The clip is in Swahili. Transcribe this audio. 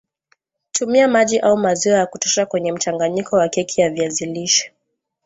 Tumia maji au maziwa ya kutosha kwenye mchanganyiko wa keki ya viazi lishe